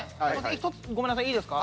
１つごめんなさいいいですか？